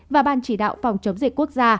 và ban chỉ đạo phòng chống dịch quốc gia